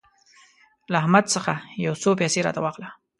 له احمد څخه يو څو پيسې راته واخله.